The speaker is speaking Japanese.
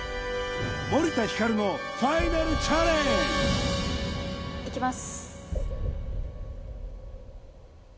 森田ひかるのファイナルチャレンジいきます